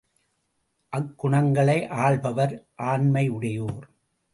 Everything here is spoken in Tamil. அக்குணங்களை ஆள்பவர் ஆண்மையுடையோர்.